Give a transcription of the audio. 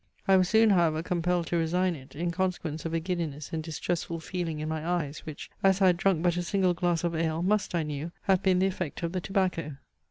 I was soon however compelled to resign it, in consequence of a giddiness and distressful feeling in my eyes, which, as I had drunk but a single glass of ale, must, I knew, have been the effect of the tobacco.